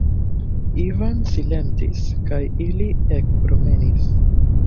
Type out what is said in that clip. Ivan silentis kaj ili ekpromenis.